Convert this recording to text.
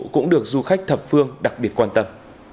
cũng được du khách thập phương đặc biệt quan tâm